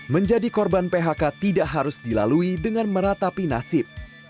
menjadi korban phk tidak harus dilalui dengan meratapi nasib